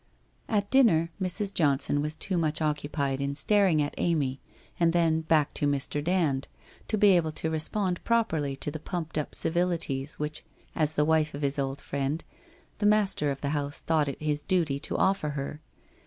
At dinner Mrs. Johnson was too much occupied in star ing at Amy and then back to Mr. Dand to be able to re spond properly to the pumped up civilities which as the wife of his old friend, the master of the house thought it his duty to offer her.